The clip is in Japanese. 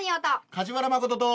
梶原誠と。